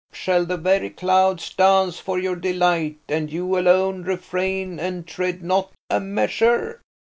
Shall the very clouds dance for your delight, and you alone refrain and tread not a measure?"